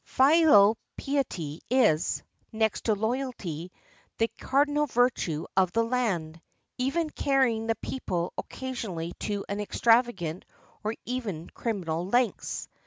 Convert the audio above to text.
Filial piety is, next to loyalty, the car dinal virtue of the land, even carrying the people occa sionally to extravagant or even criminal lengths.